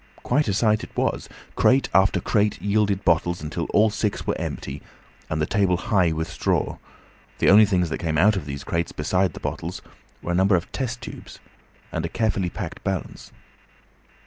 Quite a sight it was. Crate after crate yielded bottles, until all six were empty and the table high with straw; the only things that came out of these crates besides the bottles were a number of test tubes and a carefully packed balance.